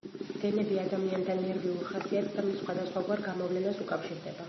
გენები ადამიანთა ნერვიულ ხასიათს და მის სხვადასხვაგვარ გამოვლენას უკავშირდება.